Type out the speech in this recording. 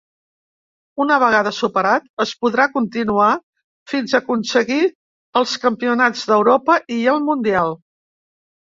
Una vegada superat, es podrà continuar fins a aconseguir els campionats d'Europa i el Mundial.